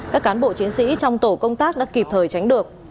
các cán bộ chiến sĩ trong tổ công tác đã kịp thời tránh được